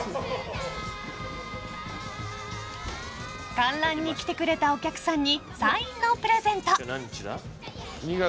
観覧に来てくれたお客さんにサインのプレゼント。